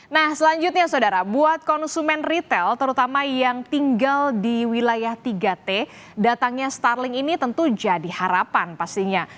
nah selanjutnya saudara buat konsumen retail terutama yang tinggal di wilayah tiga t datangnya starling ini tentu jadi harapan pastinya